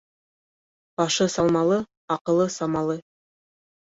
Башы салмалы, аҡылы самалы.